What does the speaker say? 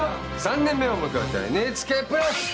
３年目を迎えたＮＨＫプラス！